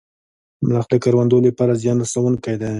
ملخ د کروندو لپاره زیان رسوونکی دی